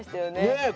ねえ。